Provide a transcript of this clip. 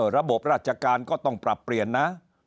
ระบบราชการก็ต้องปรับเปลี่ยนนะ